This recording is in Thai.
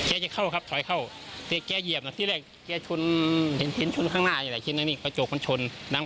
เหยียบทรงเลยที่นี่จะเป็นกลายภายส่งไปทรงรถลง